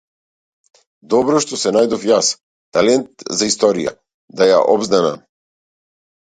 Добро што се најдов јас, талент за историја, да ја обзнанам.